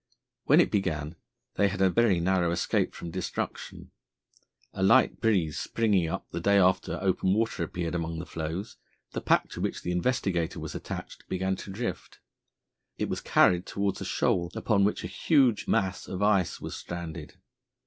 When it began, they had a very narrow escape from destruction. A light breeze springing up the day after open water appeared among the floes, the pack to which the Investigator was attached began to drift. It was carried towards a shoal upon which a huge mass of ice was stranded.